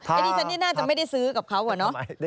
ไอดีฉันนี่น่าจะไม่ได้ซื้อกับเขาเหรอเนอะ